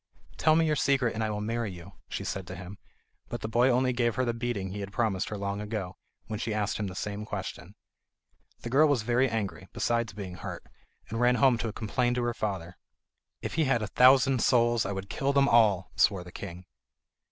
"Tell me your secret and I will marry you," she said to him; but the boy only gave her the beating he had promised her long ago, when she asked him the same question. The girl was very angry, besides being hurt, and ran home to complain to her father. "If he had a thousand souls, I would kill them all," swore the king.